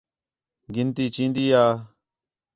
گِنتی چین٘دی ہا؟